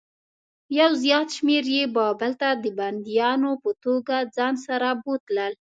یو زیات شمېر یې بابل ته د بندیانو په توګه ځان سره بوتلل.